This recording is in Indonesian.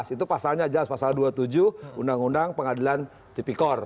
itu pasalnya jelas pasal dua puluh tujuh undang undang pengadilan tipikor